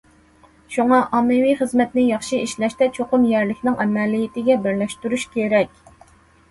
شۇڭا، ئاممىۋى خىزمەتنى ياخشى ئىشلەشتە، چوقۇم يەرلىكنىڭ ئەمەلىيىتىگە بىرلەشتۈرۈش كېرەك.